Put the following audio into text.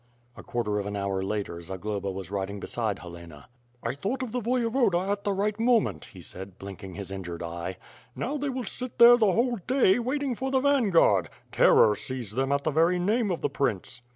A quarter of an hour later, Zagloba was riding beside Helena. "I thought of the Voyevoda at the right moment," he said, blinking his injured eye. "Now, they will sit there the whole day, waiting for the vanguard. Terror seized them at the very name of the prince."